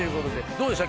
どうでした